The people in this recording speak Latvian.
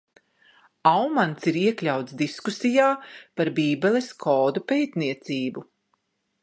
Aumans ir iekļauts diskusijā par Bībeles kodu pētniecību.